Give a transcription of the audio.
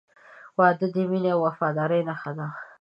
• واده د مینې او وفادارۍ نښه ده.